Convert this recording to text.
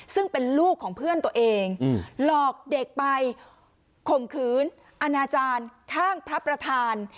ซึ่งเป็นลูกของเพื่อนตัวเองหลอกเด็กไปข่มขืนอนาจารย์ข้างพระประธาน